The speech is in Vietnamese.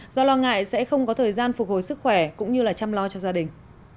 do lo ngại sẽ không có thời gian phục hồi sức khỏe cũng như chăm lo cho gia đình